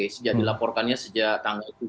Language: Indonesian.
sejak dilaporkannya sejak tanggal